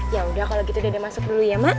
yaudah kalau gitu dede masuk dulu ya mak